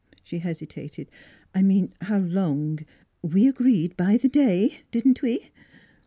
she hesitated. " I mean how long we agreed by the day, didn't we?"